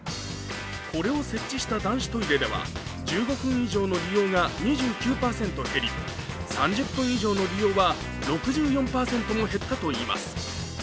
これを設置した男子トイレでは１５分以上の利用が２９％減り３０分以上の利用は６４％も減ったといいます。